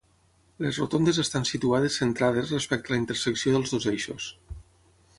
Les rotondes estan situades centrades respecte a la intersecció dels dos eixos.